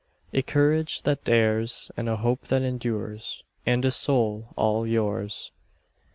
A courage that dares, and a hope that endures, And a soul all yours.